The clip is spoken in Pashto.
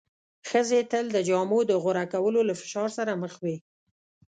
ښځې تل د جامو د غوره کولو له فشار سره مخ وې.